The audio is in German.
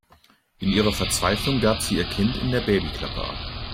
In ihrer Verzweiflung gab sie ihr Kind in der Babyklappe ab.